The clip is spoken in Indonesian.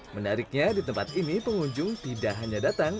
menariknya di tempat ini pengunjung tidak hanya datang